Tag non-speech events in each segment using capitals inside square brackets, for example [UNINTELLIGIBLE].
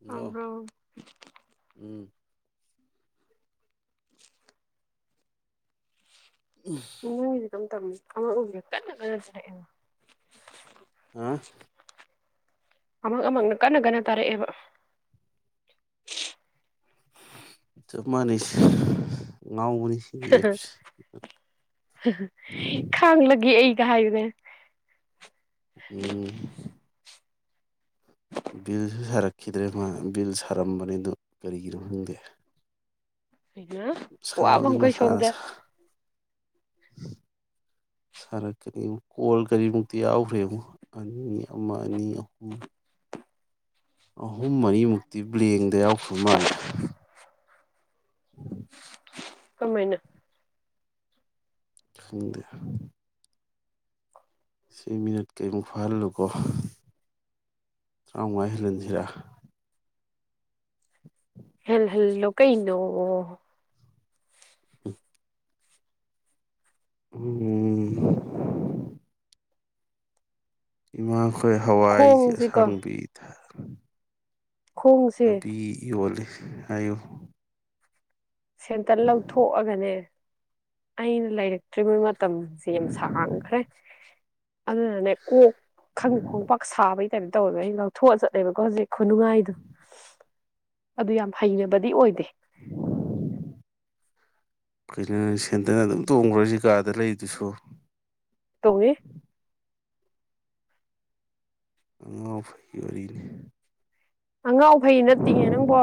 ꯑꯣ ꯇꯕꯔꯣ ꯎꯝ [UNINTELLIGIBLE] [UNINTELLIGIBLE] [UNINTELLIGIBLE] [UNINTELLIGIBLE] ꯑꯥ ꯑꯃꯛ ꯑꯃꯛꯅ ꯀꯟꯅ ꯀꯟꯅ ꯇꯥꯔꯛꯑꯦꯕ ꯆꯞ ꯃꯥꯅꯩ ꯉꯥꯎꯕꯅꯤ ꯁꯤꯒꯤ ꯑꯦꯞꯁꯦ ꯈꯥꯡꯂꯒꯦ ꯑꯩ ꯍꯥꯏꯌꯨꯅꯦ ꯎꯝ ꯕꯤꯜꯁꯨ ꯁꯥꯔꯛꯈꯤꯗ꯭ꯔꯦ ꯃꯥ ꯕꯤꯜ ꯁꯥꯔꯝꯕꯅꯤ ꯑꯗꯨ ꯀꯔꯤꯒꯤꯅꯣ ꯈꯪꯗꯦ ꯁꯥꯕꯗꯤ ꯋꯥꯕꯃꯈꯩ ꯃꯁꯥꯅ ꯁꯣꯝꯗ ꯁꯥꯔꯛꯀꯅꯤ ꯀꯣꯜ ꯀꯔꯤꯃꯨꯛꯇꯤ ꯌꯥꯎꯈ꯭ꯔꯦꯕꯣ ꯑꯅꯤ ꯑꯃ ꯑꯅꯤ ꯑꯍꯨꯝ ꯑꯍꯨꯝ ꯃꯔꯤꯃꯨꯛꯇꯤ ꯕ꯭ꯂꯦꯡꯗ ꯌꯥꯎꯈ꯭ꯔ ꯃꯥꯜꯂꯦ [UNINTELLIGIBLE] ꯀꯃꯥꯏꯅ ꯈꯪꯗꯦ ꯁꯤ ꯃꯤꯅꯠ ꯀꯩꯃꯨꯛ ꯐꯥꯍꯜꯂꯨꯀꯣ ꯇꯔꯥꯃꯉꯥ ꯍꯦꯜꯍꯟꯁꯤꯔ [UNINTELLIGIBLE] ꯍꯦꯜ ꯍꯜꯂꯣ ꯀꯩꯅꯣ [UNINTELLIGIBLE] ꯎꯝ ꯏꯃꯥ ꯑꯩꯈꯣꯏ ꯍꯋꯥꯏꯁꯤ ꯈꯣꯡꯁꯤꯀꯣ ꯑꯁꯥꯡꯕꯤ ꯊꯥ ꯈꯣꯡꯁꯦ ꯅꯄꯤ ꯌꯣꯜꯂꯤ ꯍꯥꯏꯌꯣ ꯁꯦꯟꯇꯟ ꯂꯧꯊꯣꯛꯑꯒꯅꯦ ꯑꯩꯅ ꯂꯩꯔꯛꯇꯔꯤꯕ ꯃꯇꯝꯁꯦ ꯌꯥꯝ ꯁꯥꯡꯈ꯭ꯔꯦ ꯑꯗꯨꯅꯅꯦ ꯀꯣꯛ ꯈꯪꯗ ꯈꯣꯡꯄꯥꯛ ꯁꯥꯕꯩ ꯀꯩꯅꫭ ꯇꯧꯋꯦꯕ ꯑꯩ ꯂꯧꯊꯣꯛꯑ ꯆꯠꯂꯦꯕꯀꯣ ꯍꯧꯖꯤꯛ ꯈꯨꯅꯨꯡꯉꯥꯏꯗꯣ ꯑꯗꯨ ꯌꯥꯝ ꯍꯩꯅꯕꯗꯤ ꯑꯣꯏꯗꯦ꯫ ꯀꯩꯅꯣ ꯁꯦꯟꯗꯟ ꯑꯗꯨꯝ ꯇꯣꯡꯕ꯭ꯔ ꯀꯥꯗ ꯂꯩꯗꯨꯁꯨ꯫ ꯇꯨꯡꯋꯦ꯫ ꯑꯉꯥꯡ ꯐꯩꯒꯤ ꯋꯥꯔꯤꯅꯤ꯫ ꯑꯉꯥꯎ ꯐꯩ ꯅꯠꯇꯤꯌꯦ ꯅꯪꯕꯣ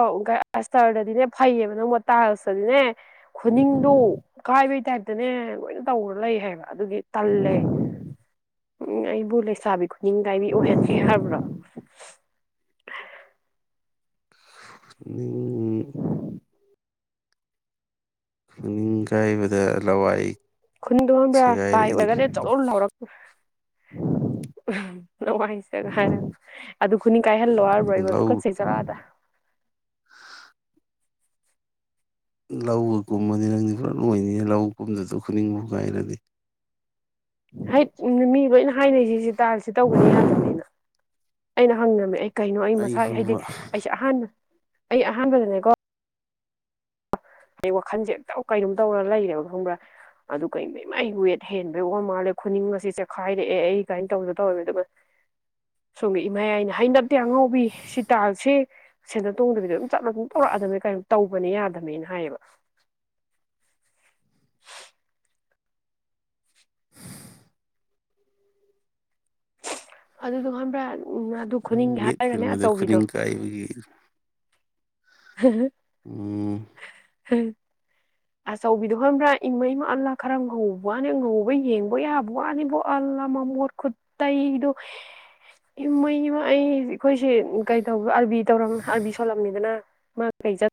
ꯑꯁꯇꯔꯗꯗꯤꯅꯦ ꯐꯩꯌꯦꯕ ꯅꯪꯕ ꯇꯥꯏꯜꯁꯇꯗꯤꯅꯦ꯫ ꯈꯨꯅꯤꯡꯗꯣ ꯀꯥꯏꯕꯩ ꯇꯥꯏꯞꯇꯅꯦ ꯂꯣꯏꯅ ꯇꯧꯔ ꯂꯩ ꯍꯥꯏꯕ꯫ ꯑꯗꯨꯒꯤ ꯇꯜꯂꯦ꯫ ꯎꯝ ꯑꯩꯕꯨ ꯂꯩꯁꯥꯕꯤ ꯈꯨꯅꯤꯡ ꯀꯥꯏꯕꯤ ꯑꯣꯏꯍꯟꯕ ꯍꯥꯕ꯭ꯔꫭ꯫ ꯈꯨꯅꯤꯡ ꯈꯨꯅꯤꯡ ꯀꯥꯏꯕ ꯂꯋꯥꯏ ꯈꯨꯅꯤꯡꯗꯣ ꯈꯪꯕ꯭ꯔꯥꯥ ꯁꯦꯒꯥꯏꯔꯛꯏꯗꯨꯅꯤ ꯑꯣꯏꯔꯒꯅꯦ ꯖꯧ ꯂꯥꯎꯔꯛꯄ꯭ꯔꯥ ꯍꯥꯏꯅ ꯑꯗꯨ ꯈꯨꯅꯤꯡ ꯀꯥꯏꯍꯜꯂꯣ ꯍꯥꯏꯔꯕ꯭ꯔꯣ ꯏꯕꫭ ꯑꯗꯨꯨ ꯂꯧ ꯇꯨꯀꯠꯆꯩ ꯆꯠꯂꫭ ꯑꯥꯗ꯫ ꯂꯧꯒ ꯀꯨꯝꯃꯅꯤ ꯅꯪꯗꯤ ꯄꯨꯔꯥ ꯂꯣꯏꯅꯤꯅꯦ ꯂꯧ ꯀꯨꯝꯗꯁꯨ ꯈꯨꯅꯤꯡꯕꯨ ꯀꯥꯏꯔꯗꯤ꯫ ꯍꯩꯠ ꯃꯤ ꯂꫭꯏꯅ ꯍꯥꯏꯅꯩꯁꯤ ꯁꯤ ꯇꯥꯏꯜꯁꯤ ꯇꯧꯕꯅꯤ ꯌꯥꯗꯕꯅꯤꯅ ꯑꯩꯅ ꯍꯪꯉꯝꯃꯦ ꯑꯩ ꯀꯩꯅꯣ ꯑꯩ ꯃꯁꯥ ꯍꯥꯏꯗꯤ ꯑꯩꯁꯦ ꯑꯍꯥꯟꯕ ꯑꯩ ꯑꯍꯥꯟꯕꯅꯦꯅꯀꯣ ꯑꯩ ꯋꯥꯈꯜꯁꯦ ꯏꯇꯧ ꯀꯩꯅꯥꯝ ꯇꯧꯔꯒ ꯂꯩꯔꯦꯕ ꯈꯪꯕ꯭ꯔꯥ ꯑꯗꯨ ꯀꯩꯃ ꯃꯥꯏ ꯋꯦꯠ ꯍꯦꯟꯕꯩ ꯋꯥ ꯃꯥꯜꯂꯦ ꯈꯨꯅꯤꯡ ꯑꯁꯦ ꯆꯦꯈꯥꯏꯔꯛꯑꯦ ꯑꯩ ꯀꯥꯏꯅ ꯇꯧꯗ ꯇꯧꯋꯦꯕ ꯑꯗꯨꯒ ꯁꯣꯝꯒꯤ ꯏꯃꯥꯌꯥꯏꯅ ꯍꯩꯅꯗꯦ ꯑꯉꯥꯎꯕꯤ ꯁꯤ ꯇꯥꯏꯜꯁꯦ ꯁꯦꯟꯗꯟ ꯇꯣꯡꯗꯕꯤꯗ ꯑꯗꯨꯝ ꯆꯠꯂ ꯑꯗꯨꯝ ꯄꯨꯔꯛꯑꯗꯕꯅꯦ ꯀꯔꯤ ꯇꯧꯕꯅꯦ ꯌꯥꯗꯕꯅꯦ꯫ ꯍꯥꯏꯌꯦꯕ꯫ ꯑꯗꯨꯗꯨ ꯈꯪꯕ꯭ꯔꯥ ꯑꯗꯨ ꯅꯪ ꯈꯨꯅꯤꯡꯒꯤ ꯋꯦꯠ ꯍꯥꯏꯔꯒꯅꯦ ꯍꯦꯜꯂꯝꯕꯗ ꯑꯆꯧꯕꯤꯗꯣ ꯈꯨꯅꯤꯡ ꯀꯥꯏꯕꯒꯤ ꯍꯥꯍꯥ ꯎꯝ [UNINTELLIGIBLE] ꯑꯆꯧꯕꯤꯗꯣ ꯍꯟꯕ꯭ꯔꯥ ꯏꯃꯩꯃ ꯑꯜꯂꯥ ꯈꯔ ꯉꯧꯕ ꯋꯥꯅꯤ ꯉꯧꯕ ꯌꯦꯡꯕ ꯌꯥꯕ ꯋꯥꯅꯤꯕꯨ ꯑꯜꯂꯥ ꯃꯃꯣꯠ ꯈꯨꯠꯇꯩꯗꯣ ꯏꯃꯩꯃ ꯑꯩ ꯑꯩꯈꯣꯏꯁꯦ ꯀꯩꯗꯧꯕ ꯑꯜꯕꯤ ꯇꯧꯔ ꯑꯜꯕꯤ ꯁꯣꯜꯂꯝꯃꯤꯗꯅ ꯃꯥ ꯀꯩ ꯆꯠ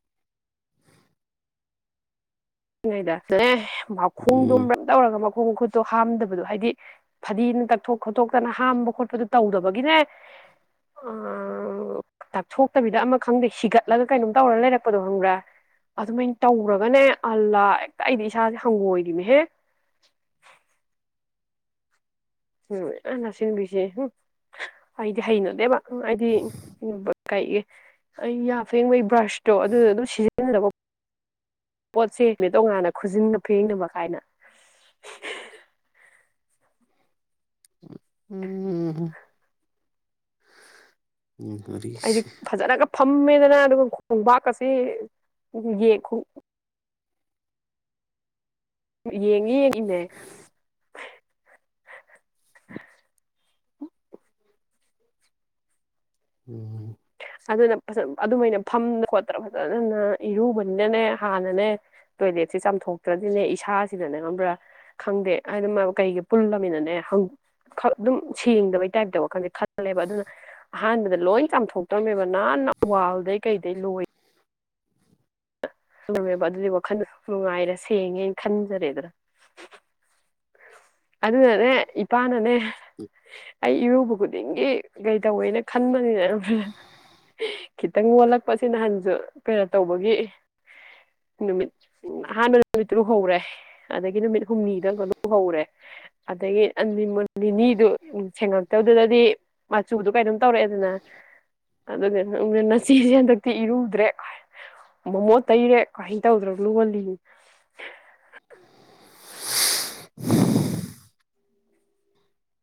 [UNINTELLIGIBLE] ꯃꯈꯣꯡꯗꯣ ꯎꯝ [UNINTELLIGIBLE] ꯇꯧꯔꯒ [UNINTELLIGIBLE] ꯈꫭꯡ ꯈꯨꯠꯇꯣ ꯍꯥꯝꯗꯕꯗꯣ ꯍꯥꯏꯗꯤ ꯐꯗꯤꯅ ꯇꯥꯛꯊꯣꯛ ꯈꯣꯠꯇꯣꯛꯇꯅ ꯍꯥꯝꯕ ꯈꯣꯠꯄꯗꯣ ꯇꯧꯗꯕꯒꯤꯅꯦ ꯑꯥ ꯇꯛꯊꯣꯛꯇꯕꯤꯗ ꯑꯃ ꯈꯪꯗꯦ ꯁꯤꯒꯠꯂꯒ ꯀꯩꯅꯣꯝ ꯇꯧꯔ ꯂꯩꯔꯛꯄꯗꯣ ꯈꯪꯕ꯭ꯔꯥ ꯑꯗꯨꯃꯥꯏꯅ ꯇꯧꯔꯒꯅꯦ ꯑꯜꯂꯥ ꯍꯦꯛꯇ ꯑꯩꯗꯤ ꯏꯁꯥꯁꯦ ꯍꯪꯉꯣꯏꯔꯤꯅꯦꯍꯦ꯫ ꯎꯝ ꯑꯅ ꯁꯤꯟꯕꯤꯁꯦ ꯍꯝ ꯑꯩꯗꯤ ꯍꯩꯅꯣꯗꯦꯕ꯫ ꯎ ꯍꯥꯏꯗꯤ ꯀꯩꯒꯤ ꯑꯩ ꯌꯥ ꯐꯦꯡꯕꯒꯤ ꯕ꯭ꯔꯁꯇꯣ ꯑꯗꯨꯗ ꯑꯗꯨꯝ ꯁꯤꯖꯤꯟꯅꯅꯕ ꯄꯣꯠꯁꯦꯅꯦ ꯇꯣꯉꯥꯟꯅ ꯈꯨꯖꯤꯟꯅ ꯐꯦꯡꯅꯕ ꯀꯥꯏꯅ꯫ ꯎꯝ ꯑꯩꯗꯤ [UNINTELLIGIBLE] ꯐꯖꯅꯒ ꯐꯝꯃꯦꯗꯅ ꯑꯗꯨꯒ ꯈꯣꯡꯕꯥꯛ ꯑꯁꯤ ꯌꯦꯡ ꯌꯦꯡꯉꯤ ꯌꯦꯡꯉꯤꯅꯦ ꯎꯝ ꯑꯗꯨꯅ ꯐꯖꯅ ꯑꯗꯨꯃꯥꯏꯅ ꯐꯝꯗ ꯈꯣꯠꯇꯅ ꯐꯖꯅ ꯏꯔꯨꯕꯅꯤꯅꯅꯦ ꯍꯥꯟꯅꯅꯦ ꯇꯣꯏꯂꯦꯠꯁꯦ ꯆꯥꯝꯊꯣꯛꯇ꯭ꯔꯗꯤꯅꯦ ꯏꯁꯥꯁꯤꯗꯅꯦ ꯈꯪꯝꯕ꯭ꯔꯥ ꯈꯪꯗꯦ ꯍꯥꯏꯗꯤ ꯃ ꯀꯩꯒꯤ ꯄꯨꯜꯂꯃꯤꯅꯅꯦ ꯍꯪ ꯈꯪ ꯑꯗꯨꯝ ꯁꯦꯡꯗꯕꯩ ꯇꯥꯏꯞꯇꯕ ꯋꯥꯈꯟꯁꯦ ꯈꯜꯂꯦꯕ ꯑꯗꯨꯅ ꯑꯍꯥꯟꯕꯗ ꯂꯣꯏ ꯆꯥꯝꯊꯣꯛ ꯇꯧꯝꯃꯦꯕ ꯅꯥꯟꯅ ꯋꯥꯜꯗꯩ ꯀꯩꯗꯩ ꯂꯣꯏ [UNINTELLIGIBLE] ꯃꯦꯕ ꯑꯗꯨꯗꯤ ꯋꯥꯈꯜꯗ ꯅꯨꯡꯉꯥꯏꯔꯦ ꯁꯦꯡꯉꯦꯅ ꯈꯟꯖꯔꯦꯗꯅꯥ ꯑꯗꯨꯅꯅꯦ ꯏꯄꯥꯅꯅꯦ [UNINTELLIGIBLE] ꯑꯩ ꯏꯔꯨꯕ ꯈꯨꯗꯤꯡꯒꯤ ꯀꯩ ꯇꯧꯋꯦꯅ ꯈꯟꯕ ꯅꯤꯅ [UNINTELLIGIBLE] ꯈꯤꯇꯪ ꯈꯤꯇꯪ ꯑꯣꯜꯂꯛꯄꯁꯦ ꯅꯍꯥꯟꯖꯨ ꯄꯦꯔꯠ ꯇꯧꯕꯒꯤ ꯅꯨꯃꯤꯠ ꯑꯍꯥꯟꯕ ꯅꯨꯃꯤꯠꯇꯨ ꯂꯨꯍꯧꯔꯦ ꯑꯗꯒꯤ ꯅꯨꯃꯤꯠ ꯍꯨꯝꯅꯤꯗ ꯃꯨꯛꯀ ꯂꯨ ꯍꯧꯔꯦ ꯑꯗꯒꯤ ꯑꯟꯗꯤ ꯃꫭꯠ ꯅꯤꯅꯤꯗꯨ ꯁꯦꯡꯉꯛꯇꯕꯗꯨꯗꯗꯤ ꯃꯆꯨꯗꯨ ꯀꯩꯅꫭꯝ ꯇꯧꯔꯛꯑꯦꯗꯅ ꯑꯗꯨꯒ ꯅꯆꯁꯦ ꯍꯟꯗꯛꯇꯤ ꯏꯔꯨꯗ꯭ꯔꯦ ꯃꫭꯃꯣꯠ ꯇꯩꯔꯦ ꯀꯥꯏꯅ ꯇꯧꯗꯅ ꯂꯣꯜꯂꯤ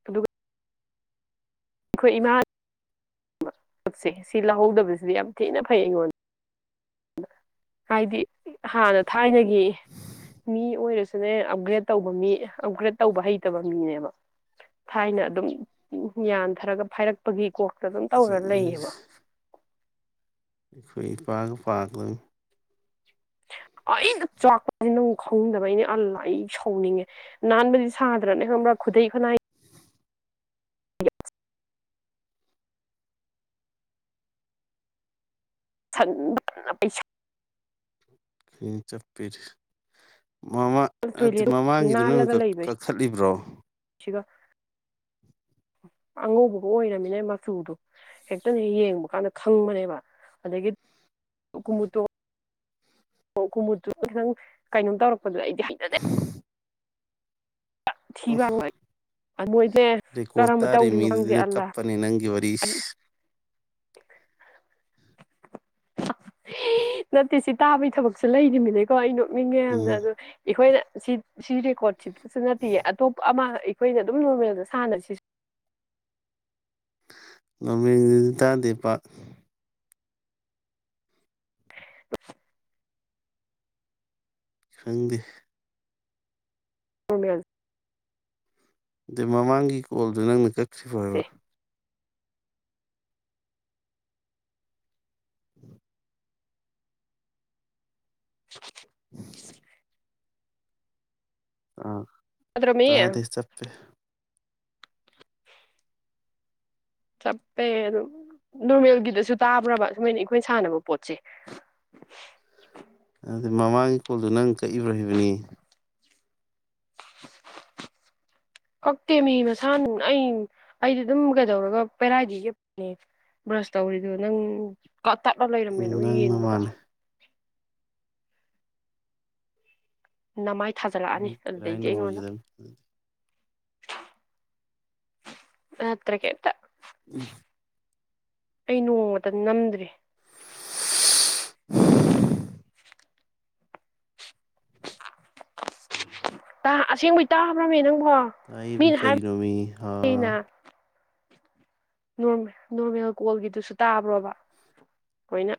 ꯑꯗꯨꯒ ꯑꯩꯈꯣꯏ ꯏꯃꯥ ꯁꯛꯁꯦ ꯁꯤ ꯂꯧꯍꯧꯗꯕꯁꯤꯗꯤ ꯌꯥꯝ ꯊꯤꯅ ꯐꯩ ꯑꯩꯉꯣꯟꯗ ꯅ ꯍꯥꯏꯗꯤ ꯍꯥꯟꯅ ꯊꯥꯏꯅꯒꯤ ꯃꯤ ꯑꯣꯏꯔꯁꯨꯅꯦ ꯑꯞꯒ꯭ꯔꯦꯗ ꯇꯧꯕ ꯃꯤ ꯑꯞꯒ꯭ꯔꯦꯗ ꯇꯧꯕ ꯍꯩꯇꯕ ꯃꯤꯅꯦꯕ ꯊꯥꯏꯅ ꯑꯗꯨꯝ ꯌꯥꯟꯊꯔꯒ ꯐꯥꯏꯔꯛꯄꯒꯤ ꯀꯣꯛꯇ ꯑꯗꯨꯝ ꯇꯧꯔ ꯂꯩꯌꯦꯕ ꯑꯩꯈꯣꯏ ꯏꯄꯥꯒ ꯄꯥꯒꯗꯝ ꯑꯩꯅ ꯆꯥꯛꯄꯁꯤ ꯅꯪ ꯈꯪꯗꯕꯩ ꯅꯤ ꯑꯜꯂ ꯑꯩ ꯁꯥꯎꯅꯤꯡꯉꯦ ꯅꯥꯟꯕꯗꯤ ꯁꯥꯗ꯭ꯔꯅꯦ ꯈꯪꯕ꯭ꯔꯥ ꯈꯨꯗꯩ ꯈꯨꯅꯥꯏ ꯁꯟ [UNINTELLIGIBLE] ꯄꯩꯁꯥ ꯍꯦ ꯆꯞꯄꯦꯔꯦ ꯃꯃꯥ ꯑꯠꯇꯦ ꯇꯣꯏꯂꯦꯠ ꯃꯃꯥꯡꯒꯤꯗꯨ ꯅꯪꯅ ꯅꯥꯜꯂꯒ ꯀꯛ ꯂꯩꯕꯁꯤꯒ ꯀꯛꯊꯠꯂꯤꯕ꯭ꯔꯣ ꯑꯉꯧꯕꯒ ꯑꯣꯏꯔꯝꯃꯤꯅ ꯃꯆꯨꯗꯣ ꯍꯦꯛꯇꯅꯦ ꯌꯦꯡꯕ ꯀꯥꯟꯗ ꯈꯪꯕꯅꯦꯕ ꯑꯗꯒꯤ ꯀꯨꯃꯨꯠꯇꯣ ꯑꯣ ꯀꯨꯝꯃꯨꯠꯇꯨ ꯈꯤꯇꯪ ꯀꯩꯅꯣꯝ ꯇꯧꯔꯛ ꯑꯗꯨ ꯑꯩꯗꯤ ꯍꯩꯅꯗꯦ ꯊꯤꯕꯥ ꯑꫭꯏ ꯑ ꯃꯣꯏꯖꯦ ꯔꯦꯀꯣꯔꯠ ꯀꯔꯝꯕ ꯇꯥꯔꯤ ꯇꯧꯔꯤꯃꫭ ꯃꯤꯗꯨꯗꯤ ꯈꯪꯗꯦ ꯅꯪ ꯑꯜꯂꯥ ꯀꯞꯄꯅꯤ ꯅꯪꯒꯤ ꯋꯥꯔꯤꯁꯤ ꯍꯤ ꯅꯠꯇꯦ ꯁꯤ ꯇꯥꯕꯩ ꯊꯕꯛꯁꯨ ꯂꯩꯔꯤꯝ ꯃꯅꯦꯀꯣ ꯑꯩ ꯅꯤꯡꯉꯦꯌꯥꯝꯅ ꯎꯝ ꯑꯗꯣ ꯏꯈꯣꯏꯅ ꯁꯤ ꯁꯤ ꯔꯦꯀꯣꯔꯠꯁꯤꯗꯁꯨ ꯅꯠꯇꯤꯌꯦ ꯑꯇꯣꯞꯄ ꯑꯃ ꯑꯩꯈꯣꯏꯅ ꯑꯗꯨꯝ ꯅꯣꯔꯃꯦꯜꯗ ꯁꯥꯟꯅꯁꯤ ꯅꫭꯃꯦꯒꯤꯗꯁꯨ ꯇꯥꯗꯦ ꯄꯥꯛ [INAUDIBLE] ꯈꯪꯗꯦ ꯅꫭꯔꯃꯦꯜ ꯗꯩ ꯃꯃꯥꯡꯒꯤ ꯀꯣꯜꯗꯨꯣ ꯅꯪꯅ ꯀꯛ ꯁꯤ ꯐꯥꯏꯕ [UNINTELLIGIBLE] ꯑꯥ ꯅꯠꯇ꯭ꯔꯃꯤ ꯇꯥꯗꯦ ꯆꯞꯄꯦ ꯆꯞꯄꯦ ꯑꯗꯨꯝ ꯅꯣꯔꯃꯦꯜꯒꯤꯗꯁꯨ ꯇꯥꯕ꯭ꯔꯕ ꯁꯨꯃꯥꯏꯅ ꯏꯈꯣꯏꯅ ꯁꯥꯟꯅꯕ ꯄꯣꯠꯁꯦ ꯑꯗꯨ ꯃꯃꯥꯡꯒꯤ ꯀꯣꯜꯗꯨ ꯅꯪ ꯀꯛꯏꯕ꯭ꯔꯣ ꯍꯥꯏꯕꯅꯤ [UNINTELLIGIBLE] ꯀꯛꯇꯦ ꯃꯤ ꯃꯁꯥꯟ ꯑꯩ ꯑꯩꯗꯤ ꯑꯗꯨꯝ ꯀꯩꯗꯧꯔꯒ ꯄꯦꯔꯥꯏꯗꯩ ꯌꯦꯞꯄꯅꯦ ꯕ꯭ꯔꯁ ꯇꯧꯔꯤꯗꯣ ꯅꯪ ꯀꯇꯠꯂ ꯂꯩꯔꯝꯃꯦ ꯎꯝ ꯅꯪꯅ ꯅꯨꯌꯦꯡꯕꯗ ꯃꯥꯜꯂꯦ ꯅꯃꯥꯏ ꯊꯥꯖꯜꯂꯛꯑꯅꯤ ꯑꯗꯨꯗꯩꯗꯤ ꯀꯅ ꯑꯩꯉꯣꯟꯗ ꯑꯣꯏꯈꯤꯗꯗꯤ ꯑꯇꯩ ꯀꯦꯇ ꯎꯝ ꯑꯩ ꯅꯣꯡꯃ ꯅꯝꯗ꯭ꯔꯔꯤ ꯑꯁꯦꯡꯕꯩ ꯇꯥꯕ꯭ꯔꯃꯦ ꯅꯪ ꯇꯥꯏꯌꯦꯕꯤ ꯀꯔꯤ ꯅꯨꯣꯃꯤ ꯍꯥꯥ ꯍꯥꯏꯕꯅ ꯅꯣꯔꯃꯦꯜ ꯀꯣꯜꯒꯤꯗꯨꯁꯨ ꯇꯥꯕ꯭ꯔꯣꯕ ꯑꯩꯣꯏꯅ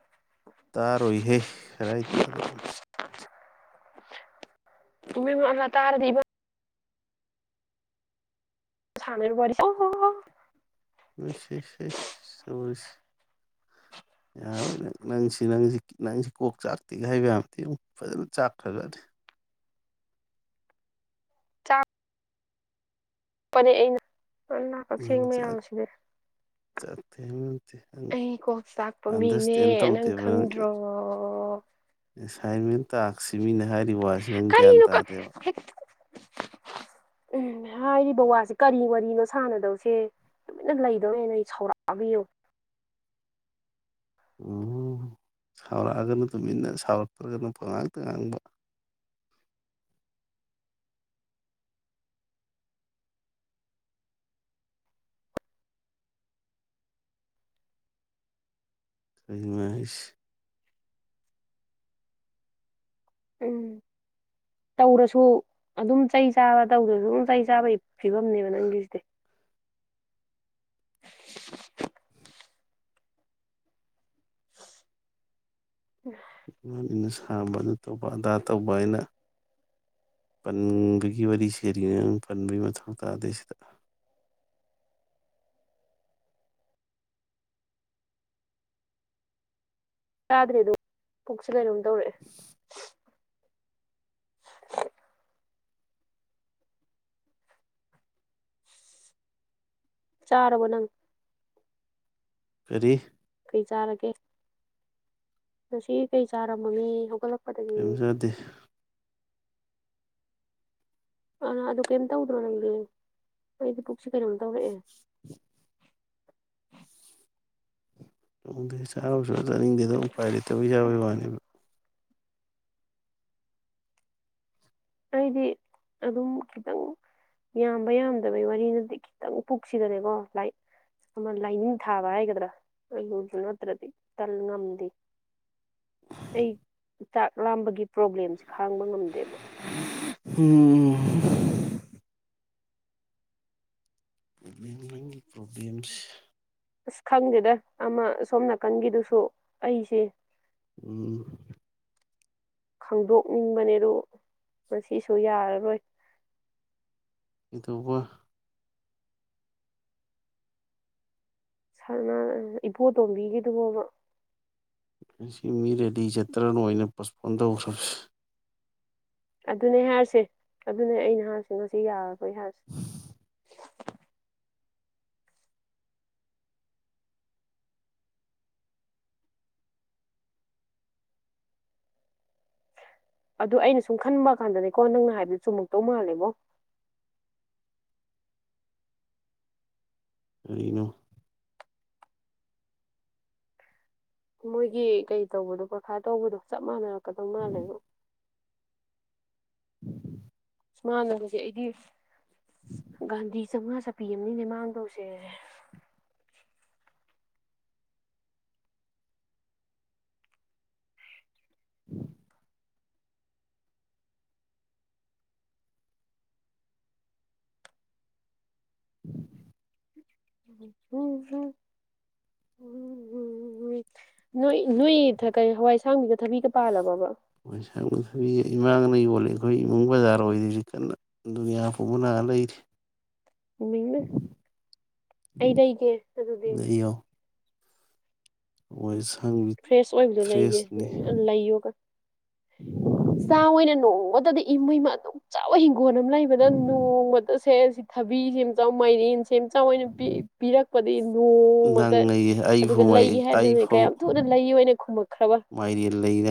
ꯇꯥꯔꯣꯏꯍꯦꯥꯏꯇꯗ ꯇꯥ ꯇꯥꯔꯥꯗꯤ ꯊ ꯋꯥꯔꯤ ꯍ ꯦꯦꯁ ꯌꯥꯔꯣꯏ ꯅꯪ ꯅꯪꯁꯤ ꯅꯪꯁꯤ ꯅꯪꯁꯤ ꯀꯣꯛ ꯆꯥꯛꯇꯦꯒ ꯍꯥꯏꯕ ꯌꯥꯕꯗꯤ ꯑꯗꯨ ꯐꯖꯅ ꯆꯥꯛꯈ꯭ꯔꯗꯤ ꯐꯅꯦ ꯑꯩꯅ ꯅꯪ ꯀꯛꯆꯦꯡ ꯆꯥꯛ ꯃꯌꯥꯝꯁꯤꯗꯤ ꯆꯥꯛꯇꯦ ꯍꯥꯏꯕ ꯅꯠꯇꯦ ꯅꯪ ꯑꯩ ꯀꯣꯛ ꯆꯥꯛꯄ ꯃꯤꯅꯦ ꯑꯟꯗꯔꯁꯇꯦꯟ ꯅꯪ ꯈꯪꯗ꯭ꯔꯣ ꯁꯥꯏꯃꯦꯟꯇ ꯑꯛꯁꯤꯃꯤꯅ ꯍꯥꯏ ꯀꯔꯤ ꯎꯝ ꯍꯥꯏꯔꯤꯕ ꯕꯕꯥꯁꯦ ꯀꯔꯤ ꯋꯥꯔꯤꯅꯣ ꯁꯥꯟꯅꯗꯧꯁꯦ ꯂꯨꯃꯤꯅ ꯂꯩꯗꯧꯦꯅ ꯑꯩ ꯁꯧꯔꯥꯛꯕꯤꯌꯨ ꯑꯣ ꯁꯥꯎꯔꯛꯑꯒꯅ ꯇꯨꯃꯤꯟꯅ ꯁꯥꯎꯔꯛꯇ꯭ꯔꯒꯅ ꯉꯥꯡꯇ ꯉꯥꯡꯕ ꯁꯃ ꯎꯝ ꯇꯧꯔꯁꯨ ꯑꯗꯨꯝ ꯆꯩ ꯆꯥꯕ ꯇꯧꯗ꯭ꯔꯁꯨ ꯑꯗꯨꯝ ꯆꯩ ꯆꯥꯕꯒꯤ ꯐꯤꯕꯝꯅꯦꯕ ꯅꯪꯒꯤꯁꯤꯗꯤ ꯏꯃꯅ ꯁꯥꯝꯕ ꯑꯗꯨ ꯇꯧꯕ ꯑꯗꯥ ꯇꯧꯕ ꯑꯩꯅ ꯄꯟꯕꯒꯤ ꯋꯥꯔꯤ ꯁꯦꯔꯤꯉꯩꯗ ꯅꯪ ꯄꯟꯕꯒꯤ ꯃꯊꯧ ꯇꯥꯗꯦ ꯁꯤꯗ ꯗ ꯑꯗꯨ ꯄꯨꯁꯤꯗꯔ [UNINTELLIGIBLE] ꯆꯔ ꯋꯥꯅꯪ ꯀꯔꯤ ꯀꯩ ꯆꯥꯔꯒꯦ ꯉ ꯀꯩ ꯆꯥꯔꯝꯃꯅꯤ ꯍꯧꯒꯠꯂꯛꯄ ꯀꯩꯝꯖꯗꯦ ꯑ ꯑꯗꯨ ꯀꯔꯤꯝ ꯇꯧꯗ꯭ꯔꯣ ꯅꯪꯗꯤ ꯑꯩꯗꯤ ꯄꯨꯛꯁꯤꯦ ꯀꯩꯅꯣꯝ ꯇꯧꯔꯛꯑꯦ [UNINTELLIGIBLE] ꯑꯣ ꯆꯥꯔꯥꯎꯁꯨ ꯆꯥꯅꯤꯡꯗꯦꯗ ꯑꯃꯄꯥꯏ ꯂꯩꯇꯕꯒꯤ ꯌꯥꯕꯒꯤ ꯋꯥꯅꯦꯕ ꯑꯩꯗꯤ ꯑꯗꯨꯝ ꯈꯤꯇꯪ ꯌꯥꯝꯕ ꯌꯥꯝꯗꯕꯩ ꯋꯥꯔꯤꯅꯗꯤ ꯈꯤꯇꯪ ꯄꯨꯛꯁꯤꯗꯅꯦꯀꯣ ꯑꯃ ꯂꯥꯏꯅꯤꯡ ꯊꯥꯕ ꯍꯥꯏꯒꯗ꯭ꯔꯥ ꯑꯩꯉꯣꯟꯁꯨ ꯅꯠꯇ꯭ꯔꯗꯤ ꯇꯟ ꯉꯝꯗꯦ ꯑꯩ ꯆꯥꯛ ꯂꯥꯝꯕꯒꯤ ꯄ꯭ꯔꯣꯕ꯭ꯂꯦꯝꯁꯦ ꯈꯥꯡꯕ ꯉꯝꯗꯦꯕ ꯎꯝ ꯄꯂꯦꯝ ꯅꯪꯒꯤ ꯄ꯭ꯔꯣꯕ꯭ꯂꯦꯝꯁ ꯑꯁ ꯈꯪꯗꯦꯗ ꯑꯃ ꯁꯣꯝ ꯅꯥꯀꯟꯒꯤꯗꯨꯁꯨ ꯑꯩꯁꯦ ꯎꯝ ꯈꯪꯗꯣꯛꯅꯤꯡꯕꯅꯦ ꯑꯗꯨ ꯃꯁꯤꯁꯨ ꯌꯥꯔꯔꯣꯏ ꯏꯕꯨ ꯏꯕꯣ ꯇꯣꯝꯕꯤꯒꯗꯕꯣꯕ ꯉ ꯃꯤ ꯔꯦꯗꯤ ꯆꯠꯇ꯭ꯔꯅꯣꯩꯅ ꯄꯣꯁꯄꯣꯟ ꯇꯧꯈ꯭ꯔꯕ ꯑꯗꯨꯅꯦ ꯍꯥꯏꯔꯁꯦ ꯑꯗꯨꯅꯦ ꯑꯩꯅ ꯍꯥꯏꯔꯁꯦ ꯉꯁꯤ ꯌꯥꯔꯒ ꯍꯣꯏ ꯍꯥꯁ ꯑꯗꯨ ꯑꯩꯅ ꯁꯨꯝ ꯈꯟꯕ ꯀꯥꯟꯗꯅꯦꯀꯣ ꯅꯪꯅ ꯍꯥꯏꯕꯗꯨ ꯆꯨꯝ ꯃꯨꯛꯇꯧ ꯃꯥꯜꯂꯦꯕꯣ ꯀꯩꯅꯣ ꯃꯣꯏꯒꯤ ꯀꯩ ꯇꯧꯕꯗꯣ ꯄꯔꯈꯥ ꯇꯧꯕꯗꯣ ꯆꯞ ꯃꯥꯟꯅꯔꯛꯀꯗꯧ ꯃꯥꯜꯂꯦꯉꯣ ꯃꯥꯟꯅꯕꯁꯦ ꯑꯩꯗꯤ ꯒꯥꯟꯙꯤ ꯆꯥꯝꯃꯉꯥ ꯆꯠꯄꯤ ꯑꯃꯅꯤꯅꯦ ꯃꯥꯡꯗꯧꯁꯦ ꯅꯣꯏ ꯅꯣꯏ ꯍꯋꯥꯏ ꯑꯁꯥꯡꯕꯤꯗ ꯊꯕꯤꯒ ꯄꯥꯜꯂꯕꯕ ꯍꯋꯥꯢ ꯑꯁꯥꯥꯡꯕꯤ ꯊꯥꯕꯤ ꯏꯃꯥꯅ ꯌꯣꯜꯂꯤ ꯑꯩꯈꯣꯏ ꯏꯃꯨꯡ ꯕꯖꯥꯔ ꯑꯣꯏꯔꯤ ꯍꯧꯖꯤꯛ ꯀꯟꯅ ꯑꯗꯨꯅꯤ ꯐꯨꯕ ꯅꯥ ꯂꯩꯔꯤ ꯃꯤꯡꯅꯦ ꯑꯩ ꯂꯩꯒꯦ ꯑꯗꯨꯗꯤ ꯂꯩꯌꯣ [UNINTELLIGIBLE] ꯐ꯭ꯔꯦꯁ ꯑꯣꯏꯕꯗꯣ ꯂꯩꯒꯦ ꯐ꯭ꯔꯦꯁꯅꯤ ꯂꯩꯌꯣꯒ ꯆꯥ ꯑꯣꯏꯅ ꯅꯣꯡꯃ ꯏꯃꯩꯃ ꯑꯗꯨꯛ ꯆꯥꯎꯕ ꯍꯤꯡ ꯒꯣꯟ ꯑꯃ ꯂꯩꯕꯗ ꯅꯣꯡꯃꯗ ꯁꯦꯜꯁꯤ ꯊꯕꯤ ꯁꯦꯝ ꯌꯥꯝ ꯆꯥꯎ ꯃꯥꯏꯔꯦꯟ ꯁꯦꯝ ꯆꯥꯎ ꯑꯣꯏꯅ ꯄꯤꯔꯛꯄꯗꯒꯤ ꯅꯣꯡꯃꯇ ꯅꯪ ꯑꯩ ꯑꯗꯨꯒ ꯑꯩꯐꯥꯎ ꯂꯩꯒꯦ ꯍꯥꯏꯕꯗꯅ ꯑꯩꯐꯥꯎ ꯀꯌꯥꯝ ꯇꯨꯅ ꯂꯩꯌꯨꯅ ꯈꯨꯝꯃꯛꯈ꯭ꯔꯕ ꯃꯥꯏꯔꯦꯟ ꯂꯩ ꯅꯪ